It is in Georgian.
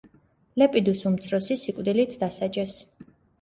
ლეპიდუს უმცროსი სიკვდილით დასაჯეს.